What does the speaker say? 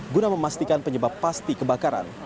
guna memastikan penyebab pasti kebakaran